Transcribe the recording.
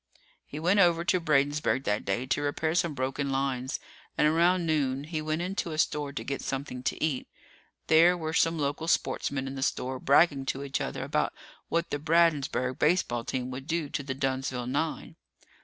He went over to Bradensburg that day to repair some broken lines, and around noon, he went into a store to get something to eat. There were some local sportsmen in the store, bragging to each other about what the Bradensburg baseball team would do to the Dunnsville nine.